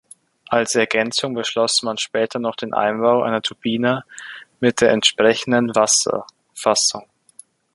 Als Ergänzung beschloss man später noch den Einbau einer Turbine mit der entsprechenden Wasserfassung.